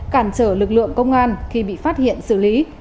cản trở lực lượng công an khi bị phát hiện xử lý